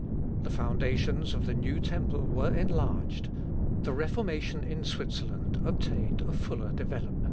The foundations of the new temple were enlarged. The Reformation in Switzerland obtained a fuller development.